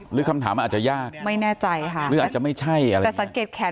หรือคำถามมันอาจจะยากไม่แน่ใจค่ะหรืออาจจะไม่ใช่อะไรแต่สังเกตแขน